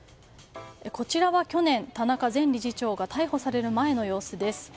こちらは去年、田中前理事長が逮捕される前の様子です。